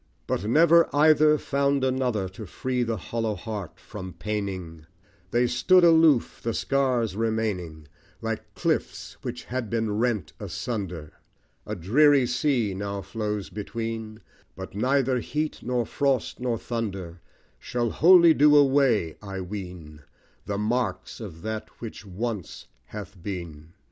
But never either found another To free the hollow heart from paining They stood aloof the scars remaining, Like cliffs which had been rent asunder; A dreary sea now flows between; But neither heat, nor frost, nor thunder, Shall wholly do away, I ween, The marks of that which once hath been.